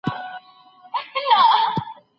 مسجد د زده کړې لومړی ځای دی.